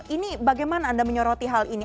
ini bagaimana anda menyoroti hal ini